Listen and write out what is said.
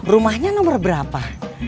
rumahnya nomor berapa